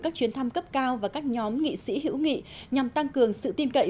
các chuyến thăm cấp cao và các nhóm nghị sĩ hữu nghị nhằm tăng cường sự tin cậy